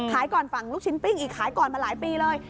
ขายก่อนฝั่งลูกชิ้นปิ้งอีกขายก่อนมาหลายปีเลย